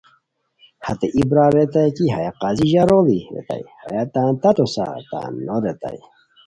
ہتے ای برار ریتائے کی ہیہ قاضی ژاروڑی ریتائے، ہیہ تان تاتو سار تان نو ریتائے